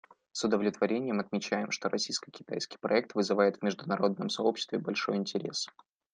С удовлетворением отмечаем, что российско-китайский проект вызывает в международном сообществе большой интерес.